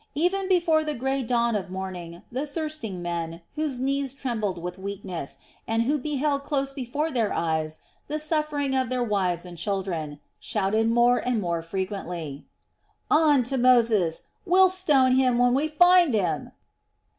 Even before the grey dawn of morning the thirsting men, whose knees trembled with weakness, and who beheld close before their eyes the suffering of their wives and children, shouted more and more frequently: "On to Moses! We'll stone him when we find him!"